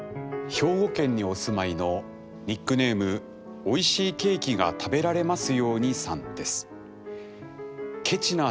兵庫県にお住まいのニックネームおいしいケーキが食べられますようにさんです。